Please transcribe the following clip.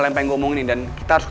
tidak ada yang bisa dipercaya